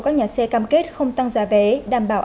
các nhà xe cam kết không tăng giá vé đảm bảo